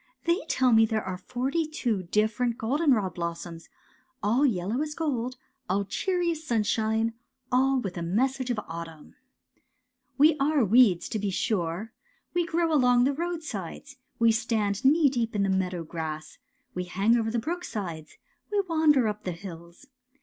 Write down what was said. " They tell me there are forty two different goldenrod blossoms— all yellow as gold, all cheery as sunshine— all with a message of autumn. ON THE HILLSIDE 213 ^' We are weeds, to be sui'e. We grow along the roadsides. We stand knee deep in the meadow grass. We hang over the brooksides. We wander up the hills.